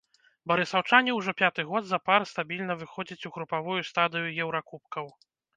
Барысаўчане ўжо пяты год запар стабільна выходзяць у групавую стадыю еўракубкаў.